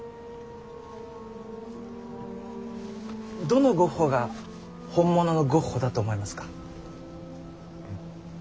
どのゴッホが本物のゴッホだと思いますか？